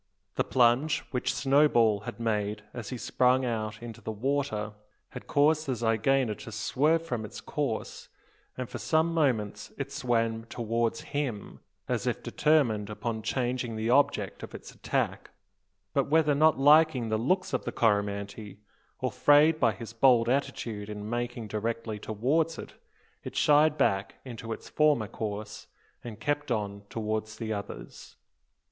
The plunge which Snowball had made as he sprang out into the water had caused the zygaena to swerve from its course; and for some moments it swam towards him, as if determined upon changing the object of its attack; but whether not liking the looks of the Coromantee or frayed by his bold attitude in making directly towards it, it shied back into its former course, and kept on towards the others.